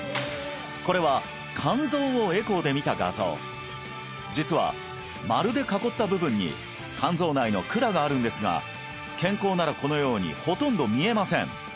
これは肝臓をエコーで見た画像実は丸で囲った部分に肝臓内の管があるんですが健康ならこのようにほとんど見えません